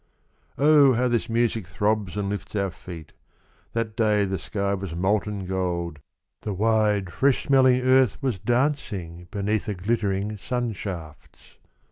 OH ! how this music throbs and lifts our feet ! That day the sky was molten gold, The wide fresh smelling Earth was dancing Beneath the glittering sun shafts.